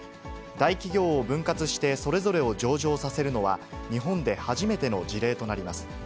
大企業を分割してそれぞれを上場させるのは、日本で初めての事例となります。